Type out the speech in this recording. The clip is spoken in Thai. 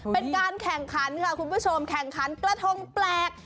เป็นการแข่งขันค่ะคุณผู้ชมแข่งขันกระทงแปลก